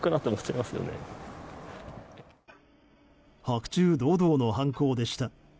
白昼堂々の犯行でした。